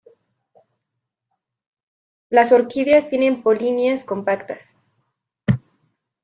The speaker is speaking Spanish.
Las orquídeas tienen polinias compactas.